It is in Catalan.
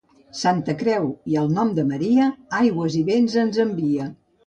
Santa Creu i el nom de Maria aigües i vents ens envia.